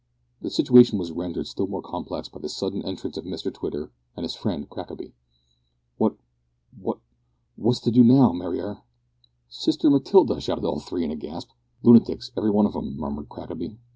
The situation was rendered still more complex by the sudden entrance of Mr Twitter and his friend Crackaby. "What what what's to do now, Mariar?" "Sister Matilda!" shouted all three with a gasp. "Lunatics, every one of 'em," murmured Crackaby.